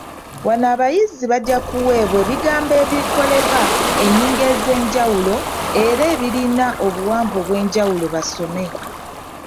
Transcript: Wano abayizi bajja kuweebwa ebigambo ebikolebwa ennyingo ez’enjawulo era ebirina obuwanvu obw’enjawulo basome